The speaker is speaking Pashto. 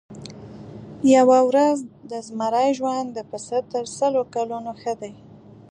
یوه ورځ د زمري ژوند د پسه تر سلو کلونو ښه دی.